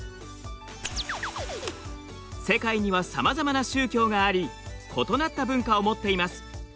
世界にはさまざまな宗教があり異なった文化を持っています。